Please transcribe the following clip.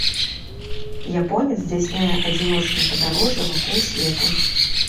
Японец здзяйсняе адзіночнае падарожжа вакол свету.